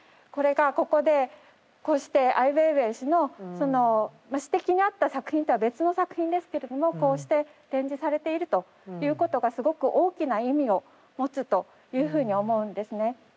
これがここでこうしてアイウェイウェイ氏のその指摘にあった作品とは別の作品ですけれどもこうして展示されているということがすごく大きな意味を持つというふうに思うんですね。